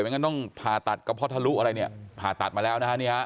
งั้นต้องผ่าตัดกระเพาะทะลุอะไรเนี่ยผ่าตัดมาแล้วนะฮะ